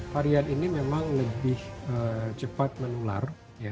varian ini memang lebih cepat menular